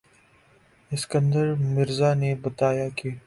اسکندر مرزا نے بتایا کہ